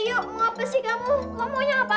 mbak k captivasinya kayak apa